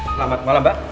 selamat malam mbak